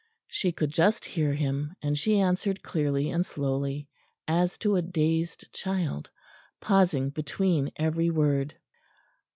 She could just hear him, and she answered clearly and slowly as to a dazed child, pausing between every word.